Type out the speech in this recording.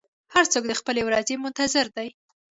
هر څوک د خپلې ورځې منتظر دی.